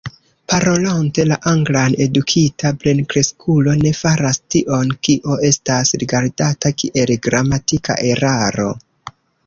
Parolante la anglan, edukita plenkreskulo ne faras tion, kio estas rigardata kiel gramatika eraro.